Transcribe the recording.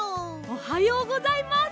おはようございます！